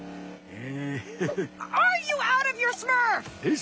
え？